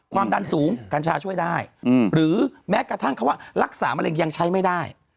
ความดันสูงกัญชาช่วยได้หรือแม้กระทั่งคำว่ารักษามะเร็งยังใช้ไม่ได้